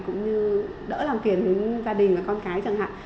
cũng như đỡ làm kiền với gia đình và con cái chẳng hạn